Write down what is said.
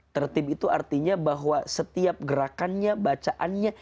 tertib itu artinya bahwa setiap gerakannya bacaannya